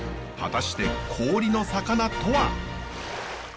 果たして氷の魚とは？